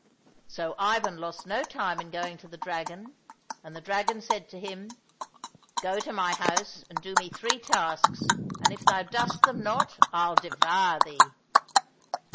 So Ivan lost no time in going to the dragon, and the dragon said to him, " Go to my house and do me three tasks, and if thou dost them not, I'll devour thee."